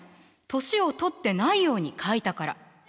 年を取ってないように描いたから。